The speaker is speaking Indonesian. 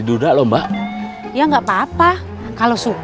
orang menterima alat buruk